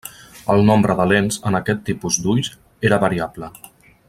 El nombre de lents en aquest tipus d'ulls era variable.